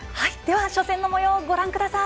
初戦のもようご覧ください。